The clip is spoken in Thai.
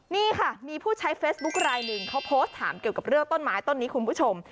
นี่ค่ะมีผู้ใช้เฟซบุ๊คลายหนึ่งเขาโพสต์ถามเกี่ยวกับเรื่องต้นไม้ต้นนี้คุณผู้ชม